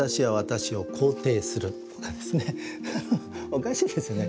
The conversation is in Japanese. おかしいですね。